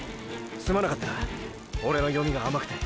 すまなかったなオレの読みが甘くて。